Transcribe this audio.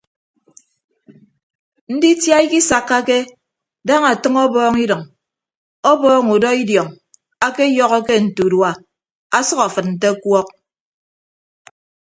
Nditia ikisakkake daña ọtʌñ ọbọọñ idʌñ ọbọọñ udọ idiọñ akeyọhọke nte urua asʌk afịd nte ọkuọk.